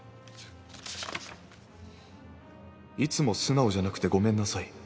「いつも素直じゃなくてごめんなさい。